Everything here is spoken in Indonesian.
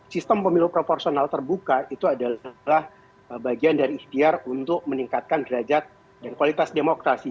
sistem pemilu proporsional terbuka itu adalah bagian dari ikhtiar untuk meningkatkan derajat dan kualitas demokrasi